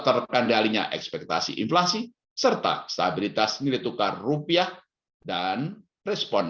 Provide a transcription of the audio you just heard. terkendalinya ekspektasi inflasi serta stabilitas nilai tukar rupiah dan respon